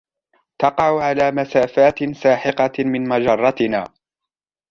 تقع على مسافات ساحقة من مجرتنا